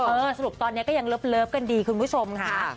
สรุปตอนนี้ก็ยังเลิฟกันดีคุณผู้ชมค่ะ